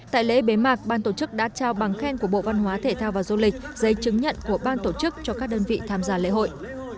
tại lễ bế mạc ban tổ chức đã trao bằng khen của bộ văn hóa thể thao và du lịch giấy chứng nhận của ban tổ chức cho các đơn vị tham gia lễ hội